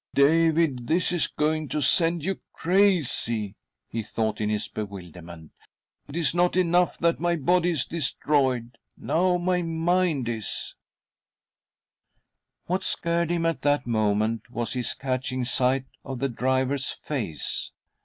," David, this is going to send you crazy," he = thought in his bewilderment. "It is not. enough ''?'■•;■*■"•■.■, J V ./ THE DEATH CART 47 that my body is destroyed ; now my mind is What scared him at that moment was his catching sight of the driver's face.